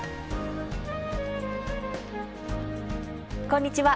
こんにちは。